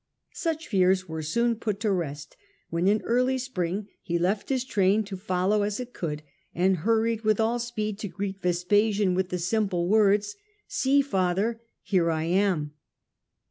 Such fears were soon put to rest when in early spring he left his train to follow as it could and hurried with all speed to greet Vespasian with the simple words, ^ See, father, here I am.